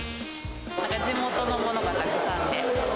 地元のものがたくさんで。